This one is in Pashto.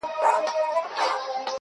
o گرېـوانـونه به لانــــده كـــــــــړم.